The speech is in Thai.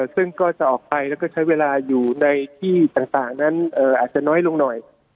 ซึ่งก็จะออกไปแล้วก็ใช้เวลาอยู่ในที่ต่างนั้นอาจจะน้อยลงหน่อย